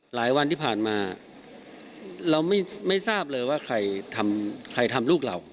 หลายวันที่ผ่านมาเราไม่ทราบเลยว่าใครทำลูกเรา